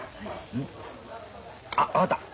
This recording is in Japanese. うん。あっ分かった。